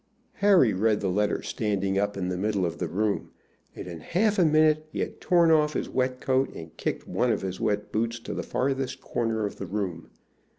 Harry read the letter standing up in the middle of the room, and in half a minute he had torn off his wet coat and kicked one of his wet boots to the farther corner of the room.